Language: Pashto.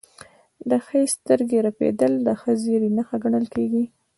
د ښي سترګې رپیدل د ښه زیری نښه ګڼل کیږي.